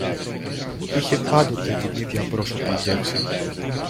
είχε πάντοτε την ίδια απρόσωπη γεύση